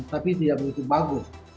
tapi tidak begitu bagus